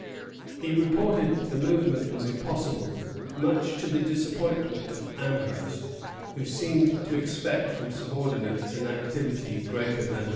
He reported that the movement was impossible, much to the disappointment of Amherst, who seemed to expect from subordinates an activity greater than his own.